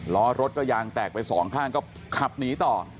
ล้อรถก็ยางแตกไปสองข้างก็ขับหนีต่อ